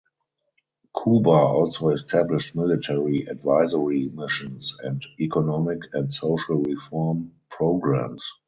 Cuba also established military advisory missions and economic and social reform programs.